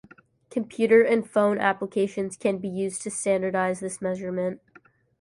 Computer and phone applications can be used to standardize this measurement.